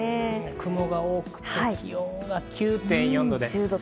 雲が多くて気温が９．４度です。